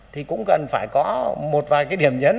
thì cũng cần phải có một vài cái điểm nhấn